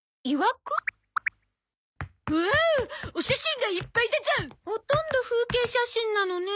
おお！お写真がいっぱいだゾ！ほとんど風景写真なのね。